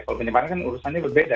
kalau minimal kan urusannya berbeda